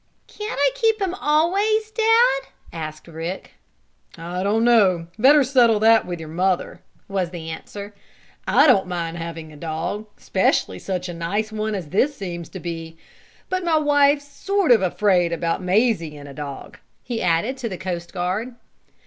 "Can't I keep him always, Dad?" asked Rick. "I don't know. Better settle that with your mother," was the answer. "I don't mind having a dog, 'specially such a nice one as this seems to be. But my wife's sort of afraid about Mazie and a dog," he added to the coast guard.